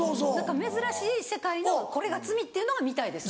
珍しい世界のこれが罪っていうのが見たいですね。